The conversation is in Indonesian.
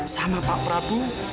sama pak prabu